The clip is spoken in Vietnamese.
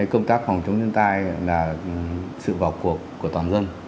công tác phòng chống thiên tai là sự vào cuộc của toàn dân